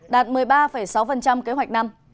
đạt một mươi ba sáu kế hoạch năm